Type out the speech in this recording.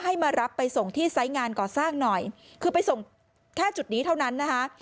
ให้มารับไปส่งที่ไซส์งานก่อสร้างหน่อยคือไปส่งแค่จุดนี้เท่านั้นนะคะ